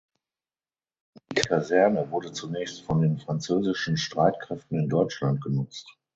Die Kaserne wurde zunächst von den französischen Streitkräften in Deutschland genutzt.